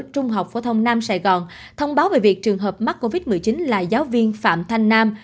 trung học phổ thông nam sài gòn thông báo về việc trường hợp mắc covid một mươi chín là giáo viên phạm thanh nam